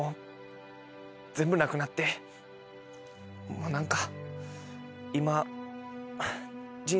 もう何か。